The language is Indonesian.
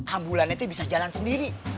ambulan itu bisa jalan sendiri